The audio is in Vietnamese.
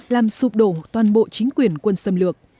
làm sụp đổ toàn bộ chính quyền quân xâm lược